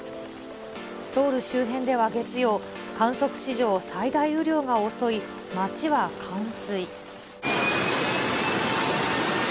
ソウル周辺では月曜、観測史上最大雨量が襲い、街は冠水。